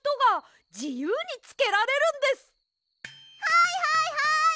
はいはいはい！